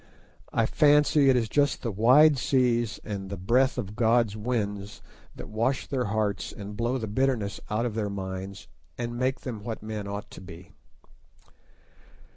I fancy it is just the wide seas and the breath of God's winds that wash their hearts and blow the bitterness out of their minds and make them what men ought to be.